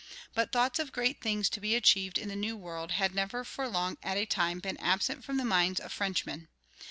But thoughts of great things to be achieved in the New World had never for long at a time been absent from the minds of Frenchmen.